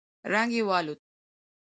رنگ يې والوت.